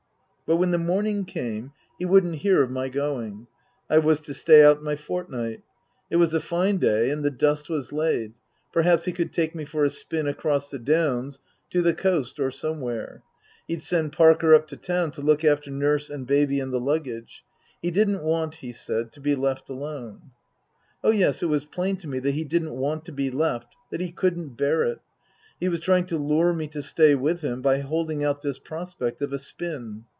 But when the morning came he wouldn't hear of my going. I was to stay out my fortnight. It was a fine day and the dust was laid ; perhaps he could take me for a spin across the Downs to the coast or somewhere. He'd send Parker up to town to look after Nurse and Baby and the luggage. He didn't want, he said, to be left alone. Oh, yes, it was plain to me that he didn't want to be left that he couldn't bear it. He was trying to lure me to stay with him by holding out this prospect of a spin.